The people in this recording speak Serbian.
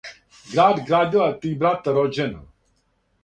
Град градила три брата рођена,